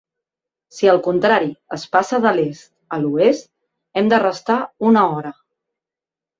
Si al contrari, es passa de l'Est a l'Oest, hem de restar una hora.